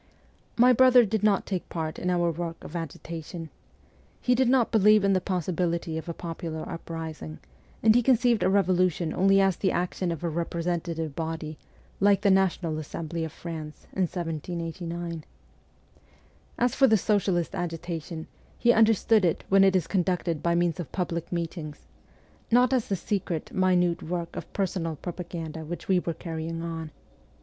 My brother did not take part in our work of THE FORTRESS 147 agitation. He did not believe in the possibility of a popular uprising, and he conceived a revolution only as the action of a representative body, like the National Assembly of France in 1789. As for the socialist agi tation, he understood it when it is conducted by means of public meetings not as the secret, minute work of personal propaganda which we were carrying on.